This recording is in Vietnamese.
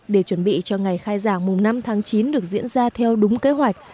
để chuẩn bị cho ngày khai giảng mùng năm tháng chín được diễn ra theo đúng kế hoạch